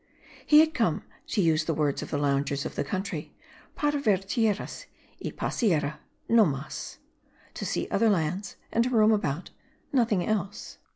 He had come, to use the words of the loungers of the country para ver tierras, y pasear, no mas (to see other lands, and to roam about, nothing else.)